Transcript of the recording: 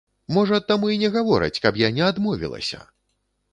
Можа, таму і не гавораць, каб я не адмовілася!